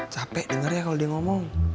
capek denger ya kalo dia ngomong